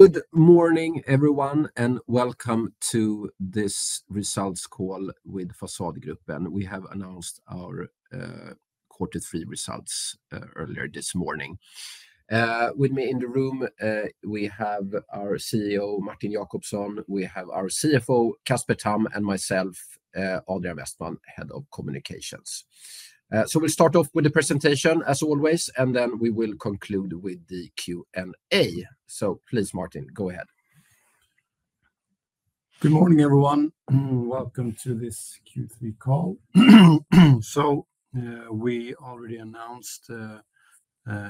Good morning, everyone, and welcome to this results call with Fasadgruppen. We have announced our quarter three results earlier this morning. With me in the room, we have our CEO, Martin Jacobsson, we have our CFO, Casper Tamm, and myself, Adrian Westman, Head of Communications. So we'll start off with the presentation, as always, and then we will conclude with the Q&A. So please, Martin, go ahead. Good morning, everyone. Welcome to this Q3 call. So we already announced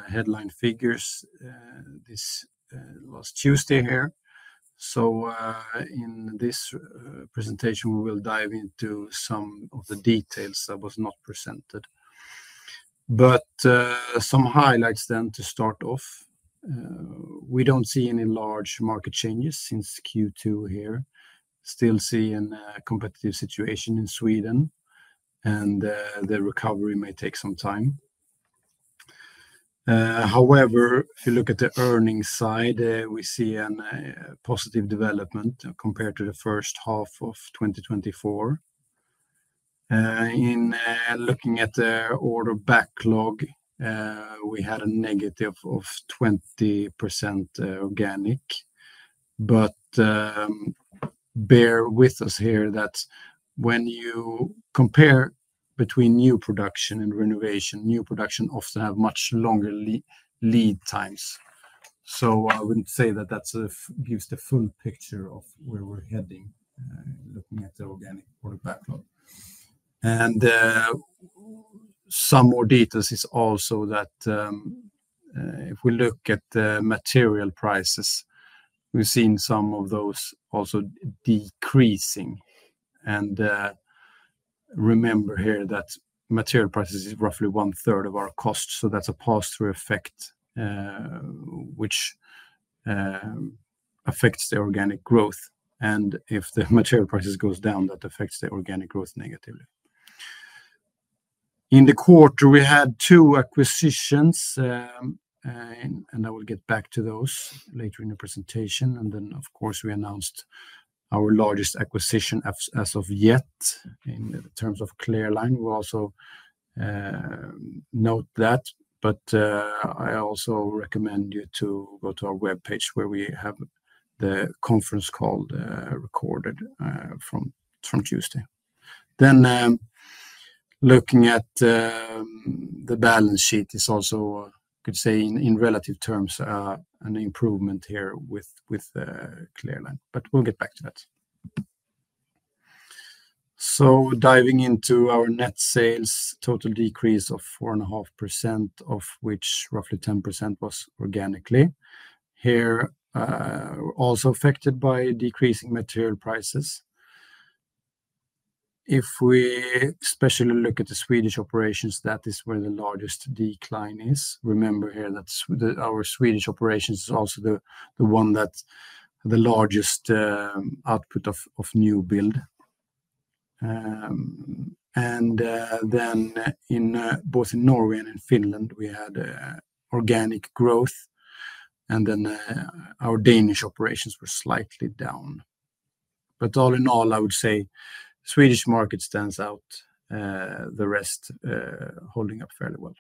headline figures last Tuesday here. So in this presentation, we will dive into some of the details that were not presented. But some highlights then to start off. We don't see any large market changes since Q2 here. Still see a competitive situation in Sweden, and the recovery may take some time. However, if you look at the earnings side, we see a positive development compared to the first half of 2024. In looking at the order backlog, we had a negative of 20% organic. But bear with us here that when you compare between new production and renovation, new production often has much longer lead times. So I wouldn't say that that gives the full picture of where we're heading looking at the organic order backlog. Some more details is also that if we look at the material prices, we've seen some of those also decreasing. Remember here that material prices is roughly one-third of our costs. So that's a positive effect, which affects the organic growth. If the material prices go down, that affects the organic growth negatively. In the quarter, we had two acquisitions, and I will get back to those later in the presentation. Then, of course, we announced our largest acquisition as of yet in terms of Clear Line. We'll also note that. I also recommend you to go to our webpage where we have the conference call recorded from Tuesday. Looking at the balance sheet is also, I could say in relative terms, an improvement here with Clear Line. We'll get back to that. So, diving into our net sales, total decrease of 4.5%, of which roughly 10% was organically. Here, also affected by decreasing material prices. If we especially look at the Swedish operations, that is where the largest decline is. Remember here that our Swedish operations is also the one that the largest output of new build. And then both in Norway and in Finland, we had organic growth. And then our Danish operations were slightly down. But all in all, I would say Swedish market stands out, the rest holding up fairly well.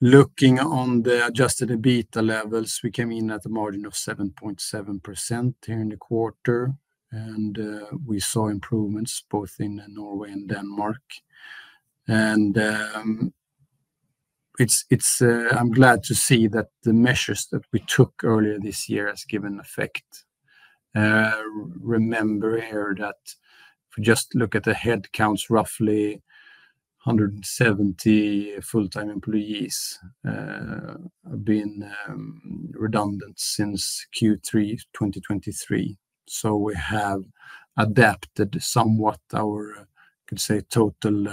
Looking on the adjusted EBITDA levels, we came in at a margin of 7.7% here in the quarter. And we saw improvements both in Norway and Denmark. And I'm glad to see that the measures that we took earlier this year have given effect. Remember here that if we just look at the head counts, roughly 170 full-time employees have been redundant since Q3 2023. So we have adapted somewhat our, I could say, total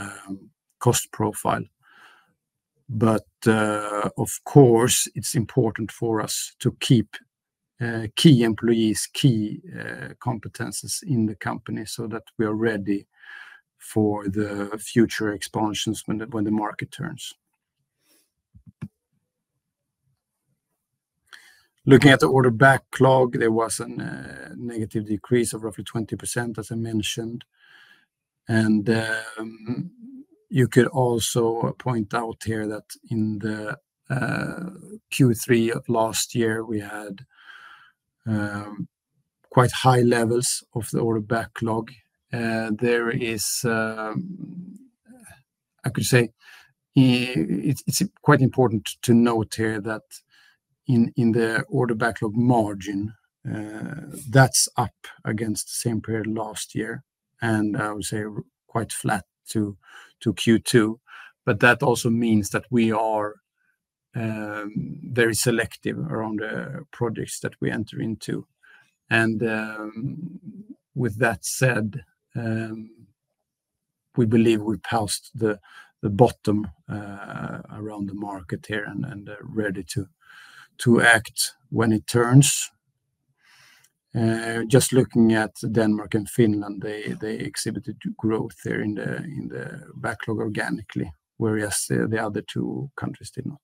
cost profile. But of course, it's important for us to keep key employees, key competencies in the company so that we are ready for the future expansions when the market turns. Looking at the order backlog, there was a negative decrease of roughly 20%, as I mentioned, and you could also point out here that in the Q3 of last year, we had quite high levels of the order backlog. There is, I could say, it's quite important to note here that in the order backlog margin, that's up against the same period last year, and I would say quite flat to Q2, but that also means that we are very selective around the projects that we enter into. With that said, we believe we passed the bottom around the market here and are ready to act when it turns. Just looking at Denmark and Finland, they exhibited growth there in the backlog organically, whereas the other two countries did not.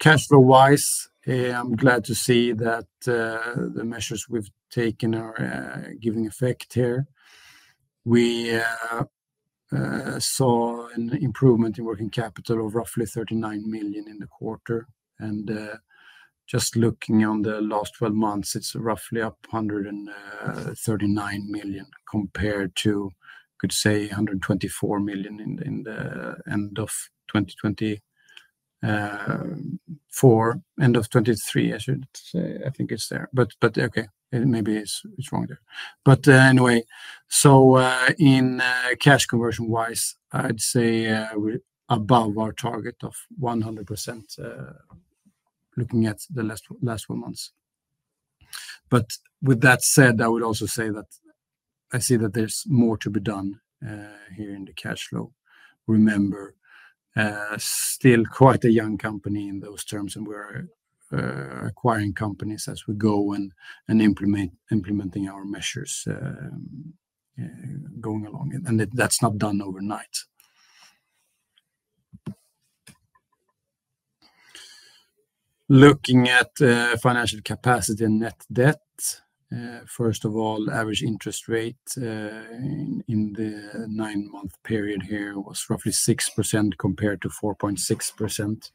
Cash flow-wise, I'm glad to see that the measures we've taken are giving effect here. We saw an improvement in working capital of roughly 39 million in the quarter. Just looking on the last 12 months, it's roughly up 139 million compared to, I could say, 124 million in the end of 2023, I should say. I think it's there. Okay, maybe it's wrong there. Anyway, so in cash conversion-wise, I'd say we're above our target of 100% looking at the last 12 months. But with that said, I would also say that I see that there's more to be done here in the cash flow. Remember, still quite a young company in those terms, and we're acquiring companies as we go and implementing our measures going along. And that's not done overnight. Looking at financial capacity and net debt, first of all, average interest rate in the nine-month period here was roughly 6% compared to 4.6%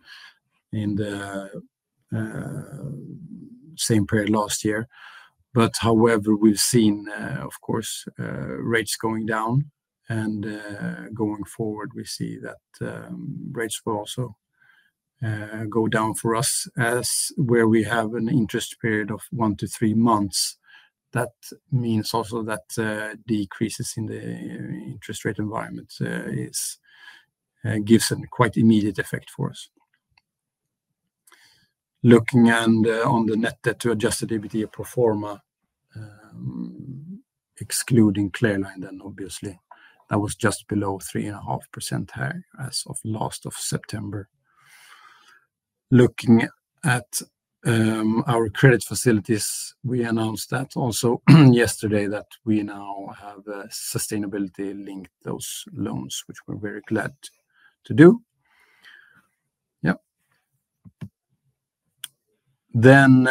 in the same period last year. But however, we've seen, of course, rates going down. And going forward, we see that rates will also go down for us as where we have an interest period of one to three months. That means also that decreases in the interest rate environment gives a quite immediate effect for us. Looking at the net debt to adjusted EBITDA pro forma, excluding Clear Line then, obviously, that was just below 3.5% higher as of last September. Looking at our credit facilities, we announced that also yesterday that we now have sustainability-linked loans, which we're very glad to do. Yeah. Then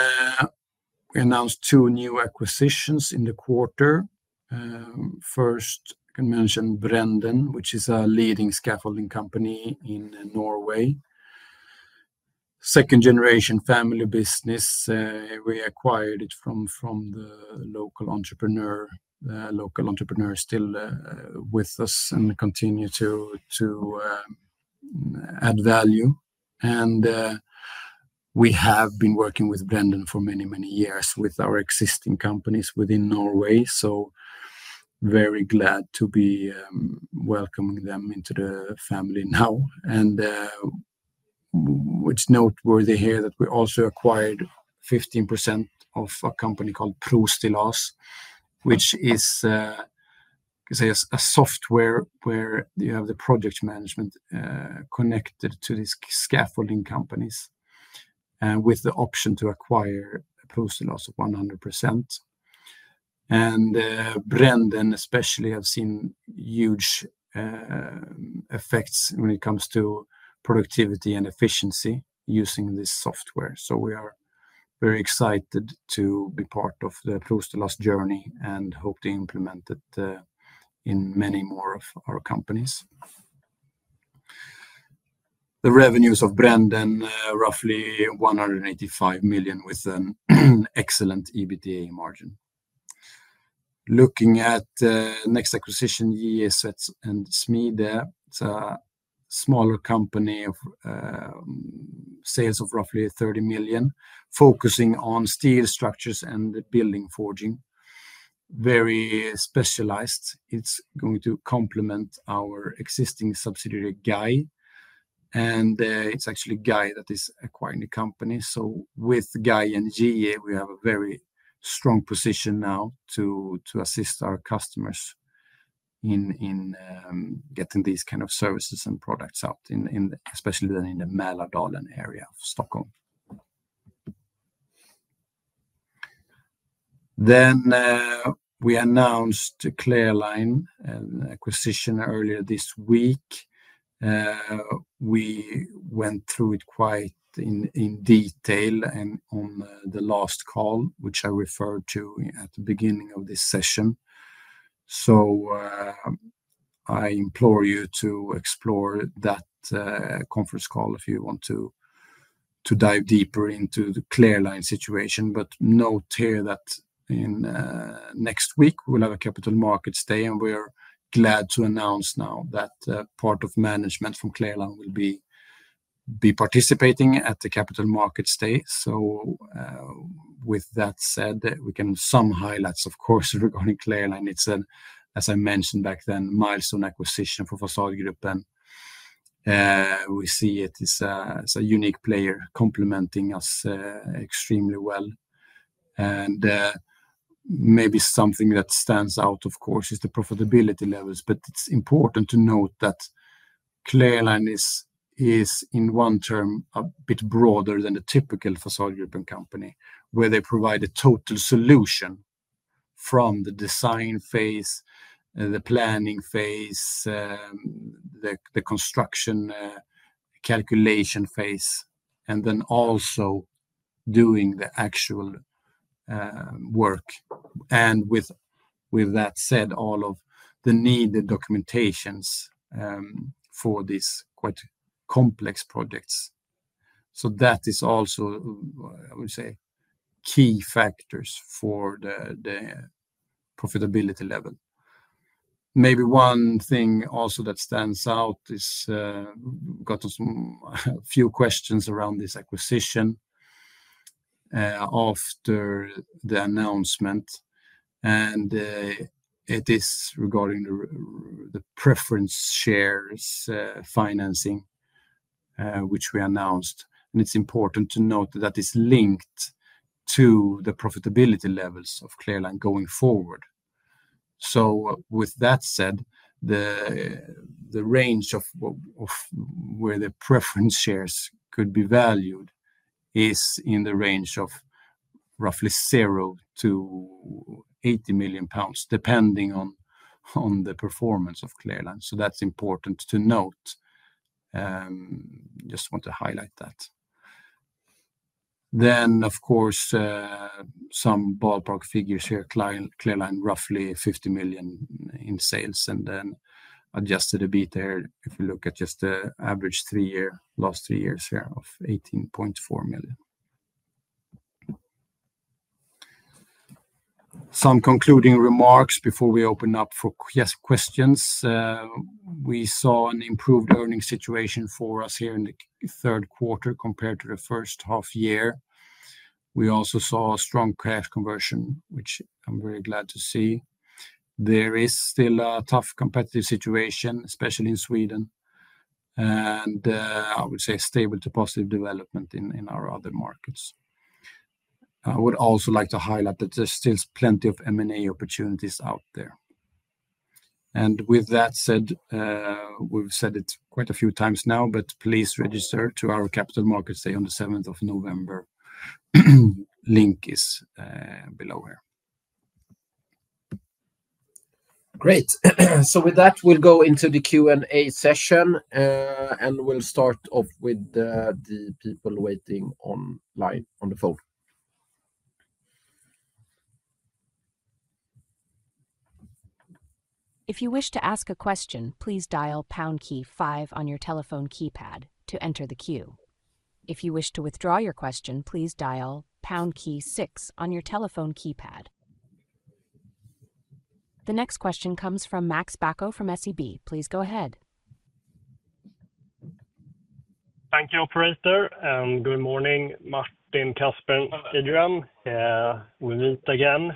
we announced two new acquisitions in the quarter. First, I can mention Brenden, which is a leading scaffolding company in Norway. Second-generation family business. We acquired it from the local entrepreneur. Local entrepreneur is still with us and continues to add value. We have been working with Brenden for many, many years with our existing companies within Norway. So very glad to be welcoming them into the family now. It's noteworthy here that we also acquired 15% of a company called ProStillas, which is a software where you have the project management connected to these scaffolding companies with the option to acquire ProStillas 100%. Brenden especially has seen huge effects when it comes to productivity and efficiency using this software. We are very excited to be part of the ProStillas journey and hope to implement it in many more of our companies. The revenues of Brenden, roughly 185 million with an excellent EBITDA margin. Looking at next acquisition, J.E. Svets & Smide, it's a smaller company of sales of roughly 30 million, focusing on steel structures and building forging. Very specialized. It's going to complement our existing subsidiary, GAJ. It's actually GAJ that is acquiring the company. With GAJ and J.E., we have a very strong position now to assist our customers in getting these kind of services and products out, especially then in the Mälardalen area of Stockholm. Then we announced Clear Line acquisition earlier this week. We went through it quite in detail on the last call, which I referred to at the beginning of this session. I implore you to explore that conference call if you want to dive deeper into the Clear Line situation. But note here that next week we'll have a Capital Markets Day, and we're glad to announce now that part of management from Clear Line will be participating at the Capital Markets Day. With that said, we can some highlights, of course, regarding Clear Line. It's a, as I mentioned back then, milestone acquisition for Fasadgruppen. We see it as a unique player complementing us extremely well. Maybe something that stands out, of course, is the profitability levels. It's important to note that Clear Line is, in one term, a bit broader than the typical Fasadgruppen company, where they provide a total solution from the design phase, the planning phase, the construction calculation phase, and then also doing the actual work, and with that said, all of the needed documentation for these quite complex projects. That is also, I would say, key factors for the profitability level. Maybe one thing also that stands out is we got a few questions around this acquisition after the announcement. It is regarding the preference shares financing, which we announced. It's important to note that it's linked to the profitability levels of Clear Line going forward. So with that said, the range of where the preference shares could be valued is in the range of roughly 0-80 million pounds, depending on the performance of Clear Line. So that's important to note. Just want to highlight that. Then, of course, some ballpark figures here. Clear Line, roughly 50 million in sales. And then Adjusted EBITDA here, if you look at just the average last three years here of 18.4 million. Some concluding remarks before we open up for questions. We saw an improved earnings situation for us here in the third quarter compared to the first half year. We also saw a strong cash conversion, which I'm very glad to see. There is still a tough competitive situation, especially in Sweden. And I would say stable to positive development in our other markets. I would also like to highlight that there's still plenty of M&A opportunities out there. And with that said, we've said it quite a few times now, but please register to our Capital Markets Day on the 7th of November. Link is below here. Great. So with that, we'll go into the Q&A session, and we'll start off with the people waiting online on the phone. If you wish to ask a question, please dial pound key five on your telephone keypad to enter the queue. If you wish to withdraw your question, please dial pound key six on your telephone keypad. The next question comes from Max Bacco from SEB. Please go ahead. Thank you, Operator. Good morning, Martin, Casper Tamm. We meet again.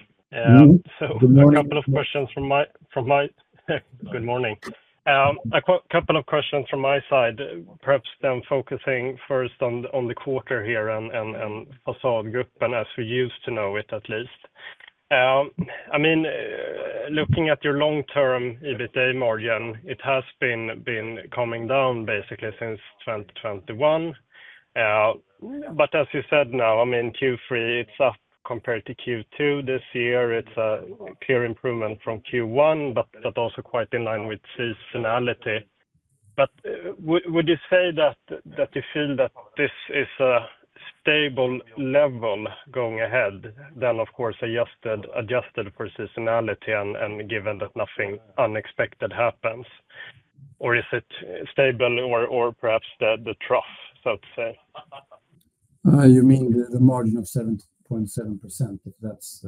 So a couple of questions from my good morning. A couple of questions from my side, perhaps then focusing first on the quarter here and Fasadgruppen, as we used to know it at least. I mean, looking at your long-term EBITDA margin, it has been coming down basically since 2021. But as you said now, I mean, Q3, it's up compared to Q2 this year. It's a clear improvement from Q1, but also quite in line with seasonality. But would you say that you feel that this is a stable level going ahead then, of course, adjusted for seasonality and given that nothing unexpected happens? Or is it stable or perhaps the trough, so to say? You mean the margin of 7.7% if that's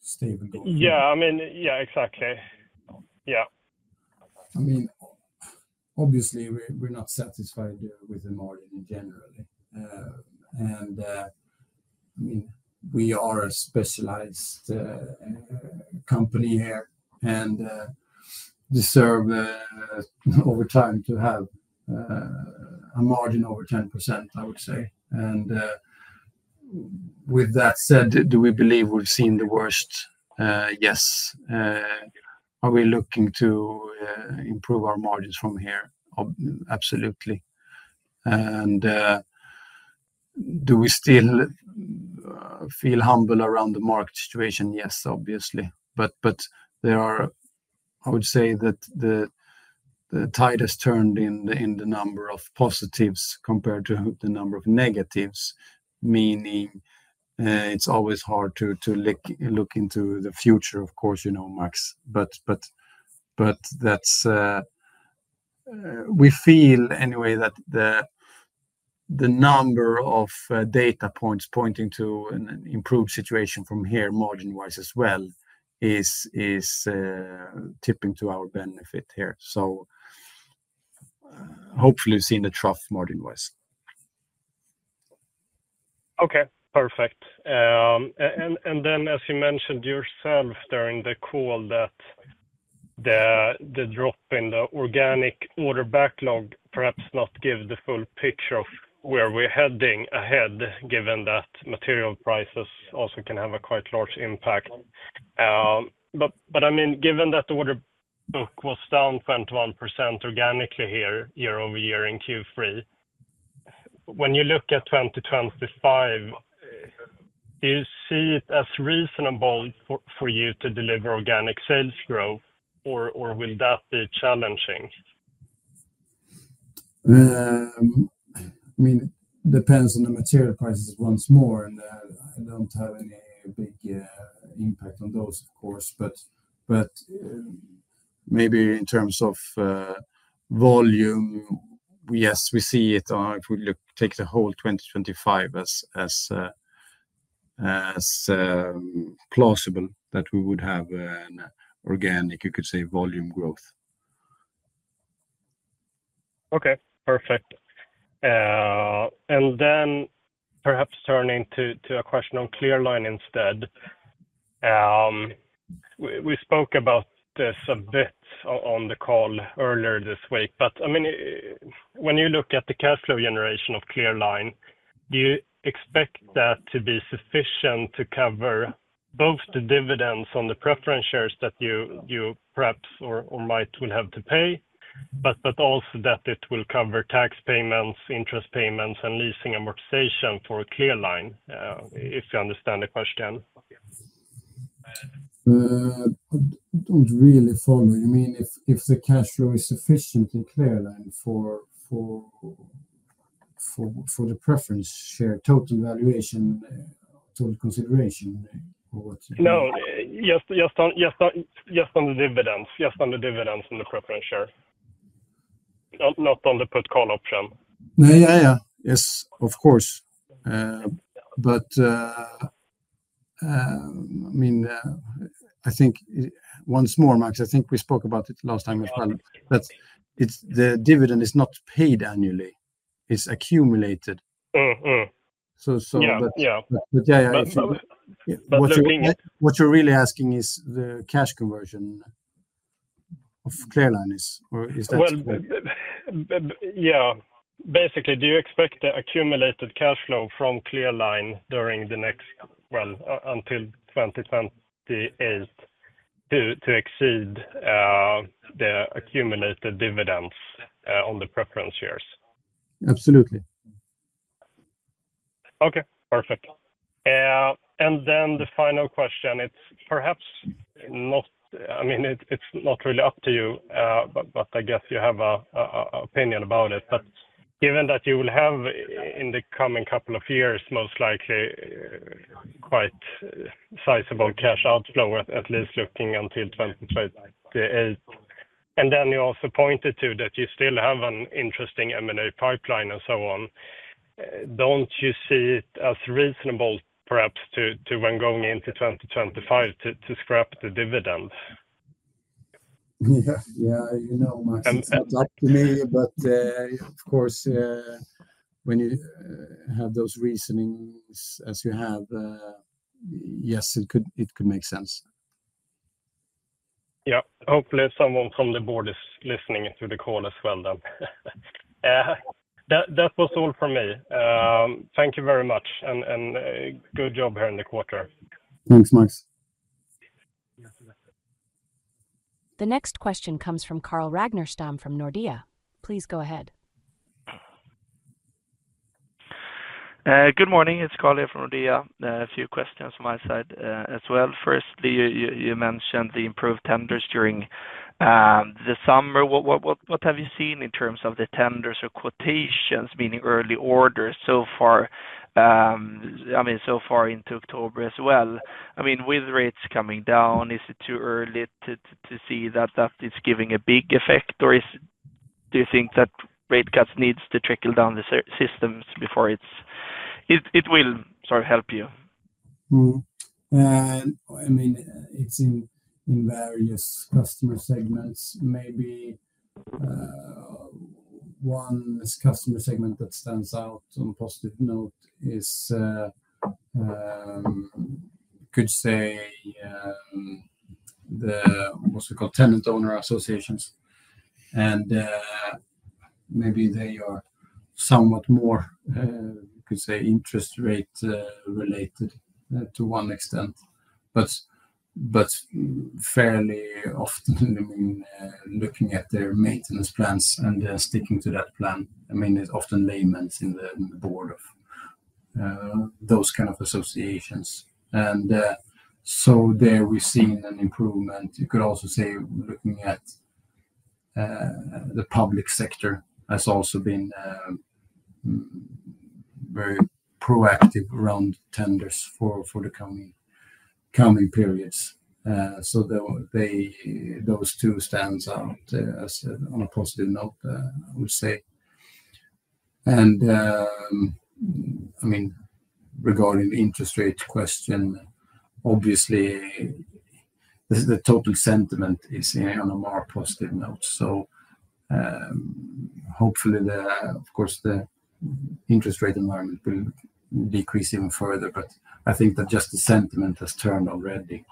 stable? Yeah, I mean, yeah, exactly. Yeah. I mean, obviously, we're not satisfied with the margin generally. And I mean, we are a specialized company here and deserve over time to have a margin over 10%, I would say. And with that said, do we believe we've seen the worst? Yes. Are we looking to improve our margins from here? Absolutely. And do we still feel humble around the market situation? Yes, obviously. But I would say that the tide has turned in the number of positives compared to the number of negatives, meaning it's always hard to look into the future, of course, Max, but we feel anyway that the number of data points pointing to an improved situation from here margin-wise as well is tipping to our benefit here. So hopefully seeing the trough margin-wise. Okay, perfect. And then, as you mentioned yourself during the call, that the drop in the organic order backlog perhaps not gives the full picture of where we're heading ahead, given that material prices also can have a quite large impact. But I mean, given that the order book was down 21% organically here year over year in Q3, when you look at 2025, do you see it as reasonable for you to deliver organic sales growth, or will that be challenging? I mean, it depends on the material prices once more, and I don't have any big impact on those, of course. But maybe in terms of volume, yes, we see it. We take the whole 2025 as plausible that we would have an organic, you could say, volume growth. Okay, perfect. And then perhaps turning to a question on Clear Line instead. We spoke about this a bit on the call earlier this week. But I mean, when you look at the cash flow generation of Clear Line, do you expect that to be sufficient to cover both the dividends on the preference shares that you perhaps or might will have to pay, but also that it will cover tax payments, interest payments, and leasing amortization for Clear Line, if I understand the question? I don't really follow. You mean if the cash flow is sufficient in Clear Line for the preference share total valuation consideration? No. Just on the dividends. Just on the dividends and the preference share. Not on the put call option. Yeah, yeah. Yes, of course. But I mean, I think once more, Max, I think we spoke about it last time as well. But the dividend is not paid annually. It's accumulated. So yeah, yeah. What you're really asking is the cash conversion of Clear Line, or is that? Yeah. Basically, do you expect the accumulated cash flow from Clear Line during the next, well, until 2028 to exceed the accumulated dividends on the preference shares? Absolutely. Okay, perfect. And then the final question, it's perhaps not, I mean, it's not really up to you, but I guess you have an opinion about it. But given that you will have in the coming couple of years, most likely quite sizable cash outflow, at least looking until 2028. And then you also pointed to that you still have an interesting M&A pipeline and so on. Don't you see it as reasonable perhaps to when going into 2025 to scrap the dividends? Yeah, you know, Max, that's up to me. But of course, when you have those reasonings as you have, yes, it could make sense. Yeah. Hopefully someone from the board is listening to the call as well then. That was all from me. Thank you very much. And good job here in the quarter. Thanks, Max. The next question comes from Carl Ragnerstam from Nordea. Please go ahead. Good morning. It's Carl here from Nordea. A few questions from my side as well. Firstly, you mentioned the improved tenders during the summer. What have you seen in terms of the tenders or quotations, meaning early orders so far, I mean, so far into October as well? I mean, with rates coming down, is it too early to see that it's giving a big effect, or do you think that rate cuts need to trickle down the systems before it will sort of help you? I mean, it's in various customer segments. Maybe one customer segment that stands out on a positive note is, could say, what we call tenant-owner associations. And maybe they are somewhat more, could say, interest rate related to some extent. But fairly often, I mean, looking at their maintenance plans and sticking to that plan, I mean, it's often laymen on the board of those kind of associations. And so there we've seen an improvement. You could also say looking at the public sector has also been very proactive around tenders for the coming periods. So those two stand out on a positive note, I would say. And I mean, regarding the interest rate question, obviously, the total sentiment is on a more positive note. So hopefully, of course, the interest rate environment will decrease even further. But I think that just the sentiment has turned already,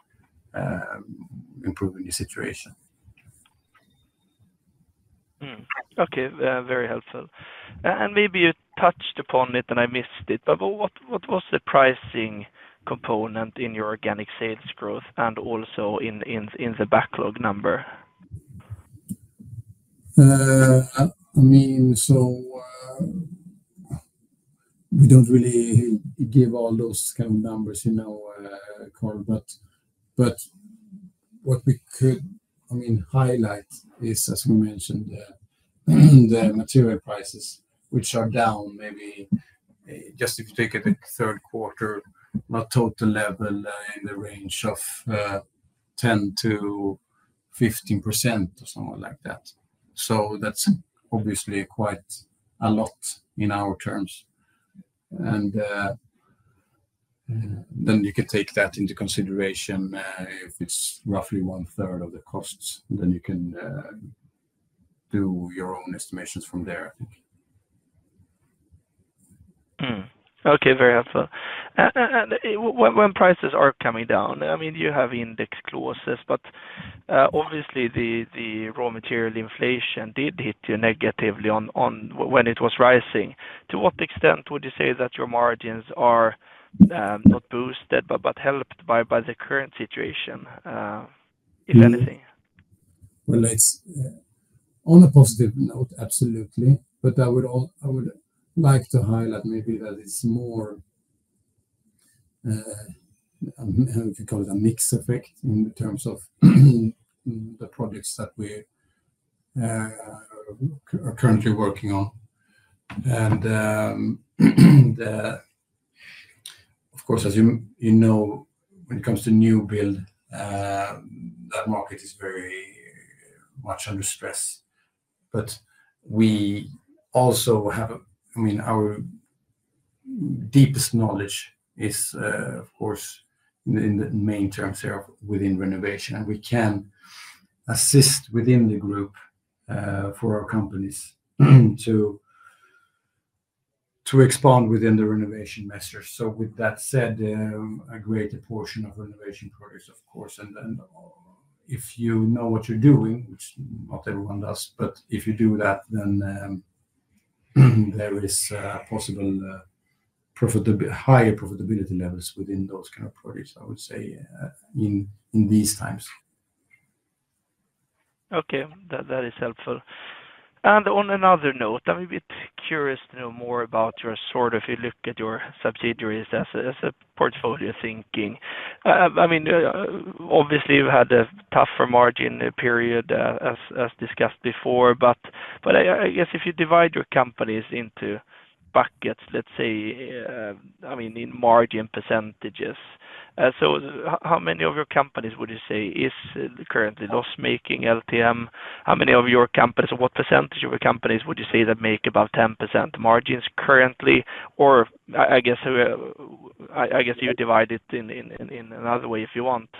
improving the situation. Okay, very helpful. Maybe you touched upon it and I missed it, but what was the pricing component in your organic sales growth and also in the backlog number? I mean, so we don't really give all those kind of numbers in our call. But what we could, I mean, highlight is, as we mentioned, the material prices, which are down maybe just if you take it at third quarter, not total level in the range of 10%-15% or something like that. That's obviously quite a lot in our terms. Then you could take that into consideration if it's roughly one-third of the costs, then you can do your own estimations from there, I think. Okay, very helpful. When prices are coming down, I mean, you have index clauses, but obviously, the raw material inflation did hit you negatively when it was rising. To what extent would you say that your margins are not boosted but helped by the current situation, if anything? Well, on a positive note, absolutely. But I would like to highlight maybe that it's more, how would you call it, a mixed effect in terms of the projects that we are currently working on. And of course, as you know, when it comes to new build, that market is very much under stress. But we also have, I mean, our deepest knowledge is, of course, in the maintenance here within renovation. And we can assist within the group for our companies to expand within the renovation measures. So with that said, a greater portion of renovation projects, of course. And if you know what you're doing, which not everyone does, but if you do that, then there is possible higher profitability levels within those kind of projects, I would say, in these times. Okay, that is helpful. And on another note, I'm a bit curious to know more about your sort of, if you look at your subsidiaries as a portfolio thinking. I mean, obviously, you've had a tougher margin period as discussed before. But I guess if you divide your companies into buckets, let's say, I mean, in margin percentages, so how many of your companies would you say is currently loss-making? LTM, how many of your companies, what percentage of your companies would you say that make about 10% margins currently? Or I guess you divide it in another way if you want.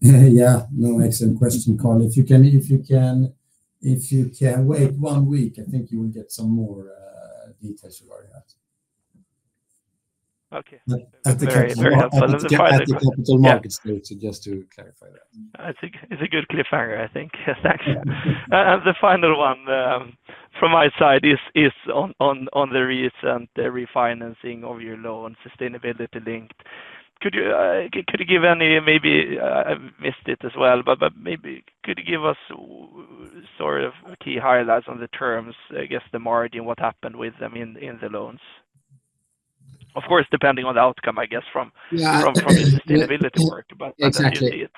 Yeah, no, excellent question, Carl. If you can wait one week, I think you will get some more details you've already had. Okay. That's okay. Very helpful. The final. At the capital markets, just to clarify that. It's a good clarifier, I think. Thanks. The final one from my side is on the recent refinancing of your loan, sustainability-linked. Could you give any? Maybe I missed it as well, but maybe could you give us sort of key highlights on the terms, I guess, the margin, what happened with them in the loans? Of course, depending on the outcome, I guess, from the sustainability work, but that's actually it.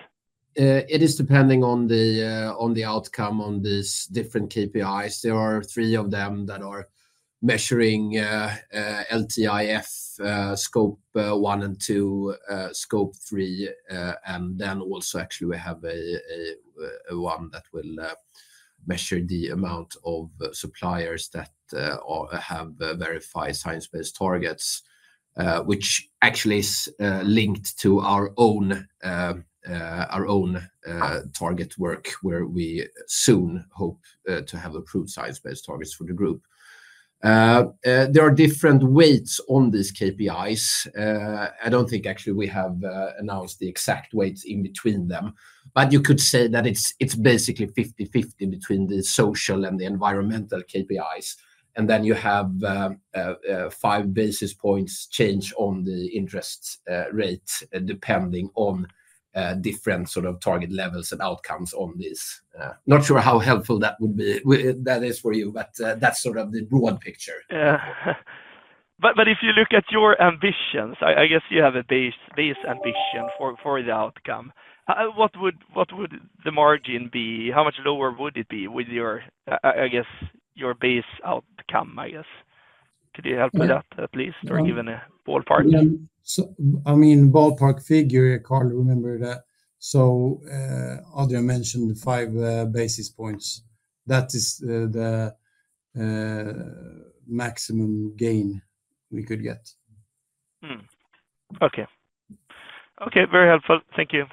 It is depending on the outcome on these different KPIs. There are three of them that are measuring LTIF, Scope 1 and 2, Scope 3. And then also actually we have one that will measure the amount of suppliers that have verified science-based targets, which actually is linked to our own target work where we soon hope to have approved science-based targets for the group. There are different weights on these KPIs. I don't think actually we have announced the exact weights in between them. But you could say that it's basically 50/50 between the social and the environmental KPIs. And then you have five basis points change on the interest rate depending on different sort of target levels and outcomes on these. Not sure how helpful that would be for you, but that's sort of the broad picture. But if you look at your ambitions, I guess you have a base ambition for the outcome. What would the margin be? How much lower would it be with, I guess, your base outcome, I guess? Could you help me with that at least, or give a ballpark? I mean, ballpark figure, Carl, remember that. So Adrian mentioned five basis points. That is the maximum gain we could get. Okay. Okay, very helpful. Thank you.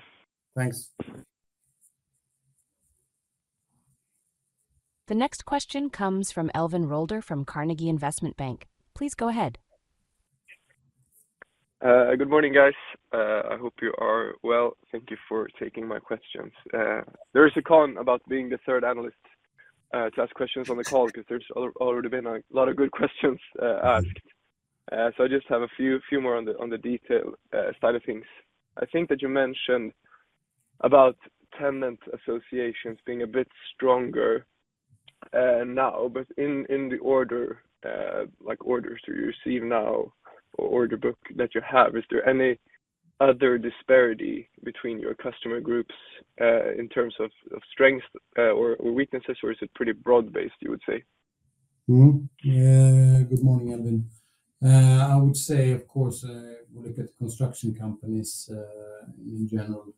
Thanks. The next question comes from Elvin Rolder from Carnegie Investment Bank. Please go ahead. Good morning, guys. I hope you are well. Thank you for taking my questions. There is a con about being the third analyst to ask questions on the call because there's already been a lot of good questions asked. So I just have a few more on the detail side of things. I think that you mentioned about tenant associations being a bit stronger now. But in the order you receive now, or order book that you have, is there any other disparity between your customer groups in terms of strengths or weaknesses, or is it pretty broad-based, you would say? Good morning, Elvin. I would say, of course, we look at construction companies in general,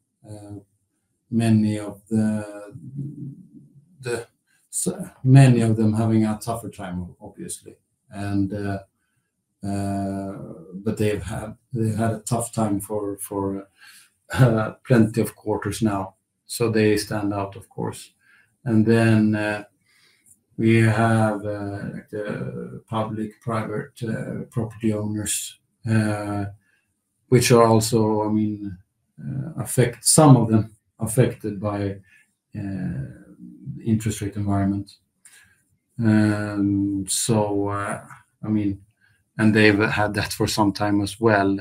many of them having a tougher time, obviously. But they've had a tough time for plenty of quarters now. So they stand out, of course. And then we have public-private property owners, which are also, I mean, some of them affected by the interest rate environment. And they've had that for some time as well.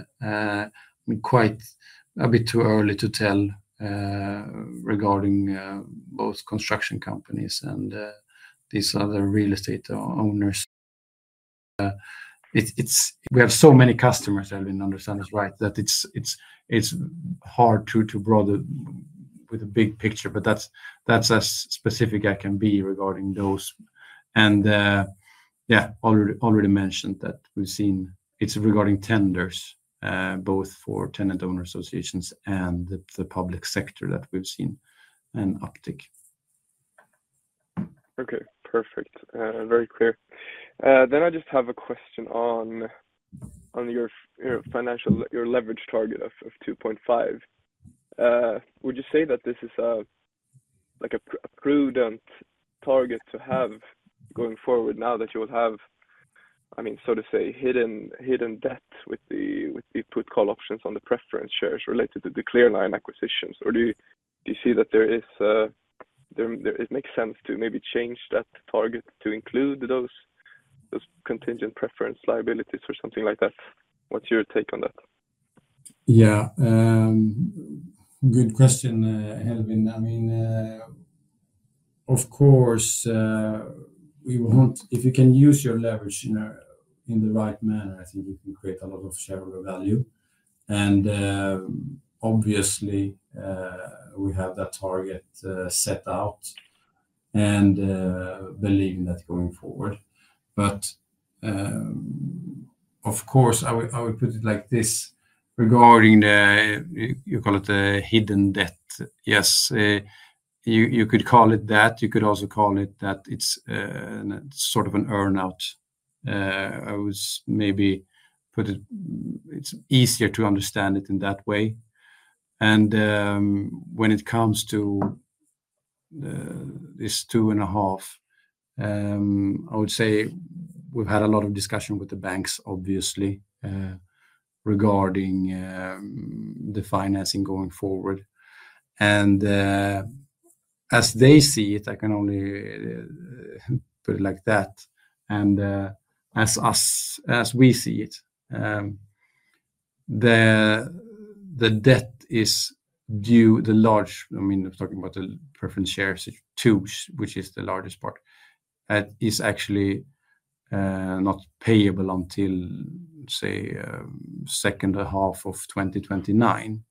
Quite a bit too early to tell regarding both construction companies and these other real estate owners. We have so many customers, Elvin, understand us right, that it's hard to broaden with a big picture. But that's as specific as I can be regarding those. Yeah, I already mentioned that we've seen an uptick regarding tenders, both for tenant-owner associations and the public sector. Okay, perfect. Very clear. Then I just have a question on your leverage target of 2.5. Would you say that this is a prudent target to have going forward now that you will have, I mean, so to say, hidden debt with the put/call options on the preference shares related to the Clear Line acquisitions? Or do you see that it makes sense to maybe change that target to include those contingent preference liabilities or something like that? What's your take on that? Yeah. Good question, Elvin. I mean, of course, if you can use your leverage in the right manner, I think you can create a lot of shareholder value. And obviously, we have that target set out and believing that going forward. But of course, I would put it like this regarding the, you call it the hidden debt. Yes, you could call it that. You could also call it that it's sort of an earn-out. I would maybe put it. It's easier to understand it in that way. And when it comes to this two and a half, I would say we've had a lot of discussion with the banks, obviously, regarding the financing going forward. And as they see it, I can only put it like that. And as we see it, the debt is due, the large. I mean, we're talking about the preference shares, which is the largest part, is actually not payable until, say, second half of 2029.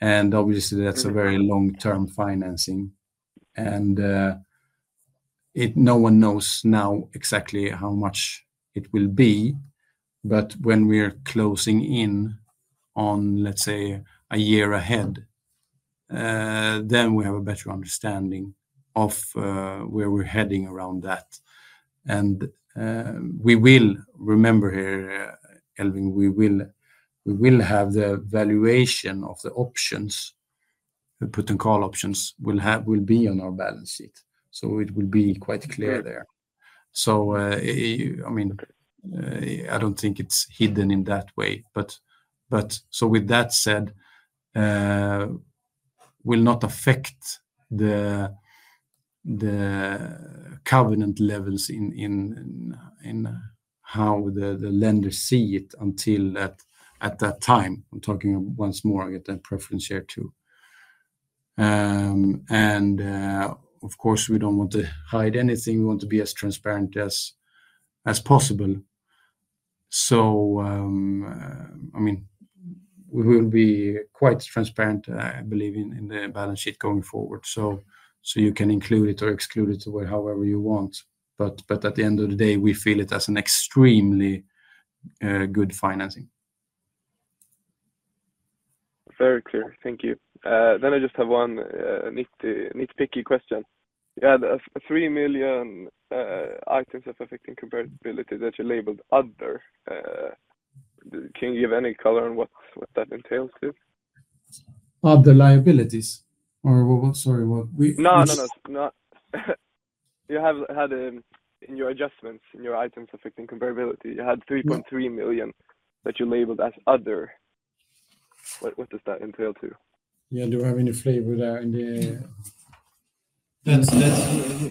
And obviously, that's a very long-term financing. And no one knows now exactly how much it will be. But when we're closing in on, let's say, a year ahead, then we have a better understanding of where we're heading around that. And we will remember here, Alvin, we will have the valuation of the options, the put and call options, will be on our balance sheet. So it will be quite clear there. So I mean, I don't think it's hidden in that way. But so with that said, will not affect the covenant levels in how the lenders see it until at that time. I'm talking once more at the preference share too. And of course, we don't want to hide anything. We want to be as transparent as possible. So I mean, we will be quite transparent, I believe, in the balance sheet going forward. So you can include it or exclude it however you want. But at the end of the day, we feel it as an extremely good financing. Very clear. Thank you. Then I just have one nitpicky question. You had three million items of affecting comparability that you labeled other. Can you give any color on what that entails too? Of the liabilities? Or sorry, what? No, no, no. You have had in your adjustments, in your items affecting comparability, you had 3.3 million that you labeled as other. What does that entail too? Yeah, do I have any flavor there in the?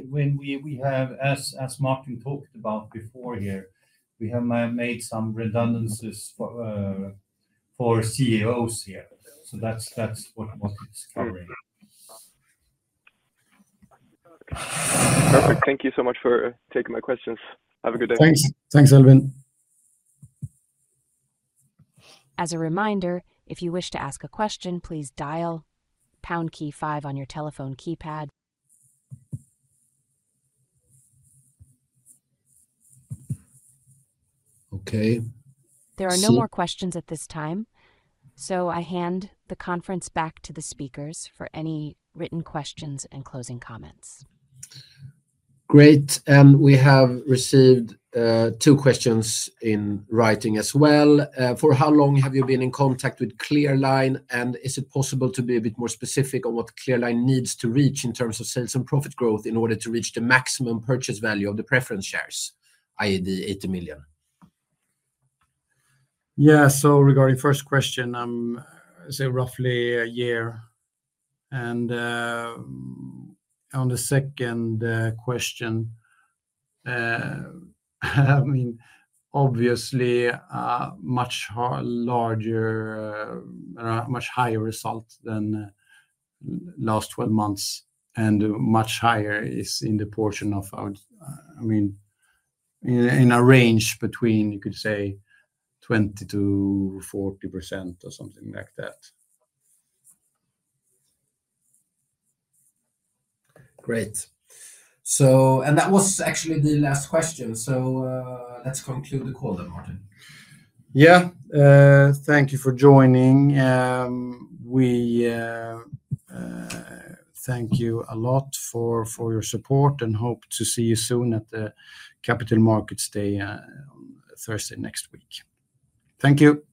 When we have, as Martin talked about before here, we have made some redundancies for CEOs here. So that's what it's covering. Perfect. Thank you so much for taking my questions. Have a good day. Thanks. Thanks, Alvin. As a reminder, if you wish to ask a question, please dial pound key five on your telephone keypad. Okay. There are no more questions at this time. So I hand the conference back to the speakers for any written questions and closing comments. Great. And we have received two questions in writing as well. For how long have you been in contact with Clear Line? And is it possible to be a bit more specific on what Clear Line needs to reach in terms of sales and profit growth in order to reach the maximum purchase value of the preference shares, i.e., the 80 million? Yeah. So regarding first question, I'd say roughly a year. And on the second question, I mean, obviously, much larger or much higher result than last 12 months. And much higher is in the portion of, I mean, in a range between, you could say, 20%-40% or something like that. Great. And that was actually the last question. So let's conclude the call then, Martin. Yeah. Thank you for joining. We thank you a lot for your support and hope to see you soon at the Capital Markets Day on Thursday next week. Thank you.